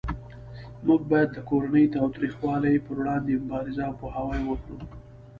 موږ باید د کورنۍ تاوتریخوالی پروړاندې مبارزه او پوهاوی وکړو